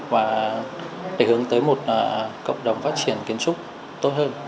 và để hướng tới một cộng đồng phát triển kiến trúc tốt hơn